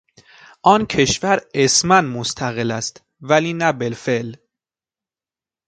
آن کشور اسما مستقل است ولی نه بالفعل